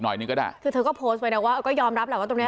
หน่อยหนึ่งก็ได้เธอก็โพสต์ไปเนี่ยว่าก็ยอมรับแหละว่าตรงนี้